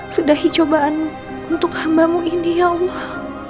sudahi cobaan untuk hambamu ini ya allah